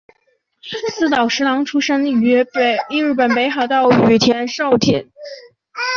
寺岛实郎出生于日本北海道雨龙郡沼田町。